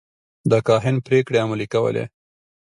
د کاهن پرېکړې عملي کولې.